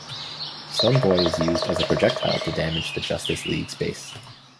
Stone Boy is used as a projectile to damage the Justice League's base.